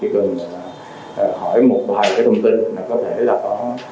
chỉ cần hỏi một bài cái thông tin là có thể đồng ý đưa vào tiêm chủng